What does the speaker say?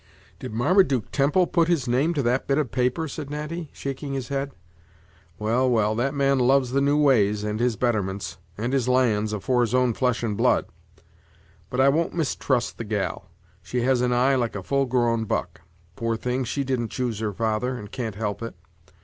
"Did Marmaduke Temple put his name to that bit of paper?" said Natty, shaking his head; "well, well, that man loves the new ways, and his betterments, and his lands, afore his own flesh and blood. But I won't mistrust the gal; she has an eye like a full grown buck! poor thing, she didn't choose her father, and can't help it.